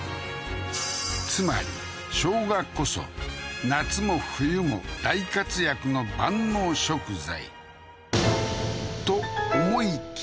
つまり生姜こそ夏も冬も大活躍の万能食材